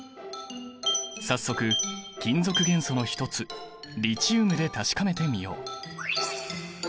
早速金属元素の一つリチウムで確かめてみよう。